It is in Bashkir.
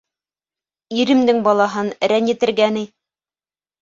Иремдең балаһын рәнйетергә ни.